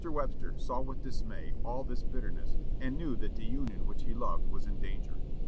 Webster saw with dismay all this bitterness, and knew that the Union which he loved was in danger.